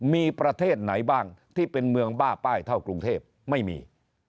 มีประเทศไหนบ้างที่เป็นเมืองบ้าป้ายเท่ากรุงเทพไม่มี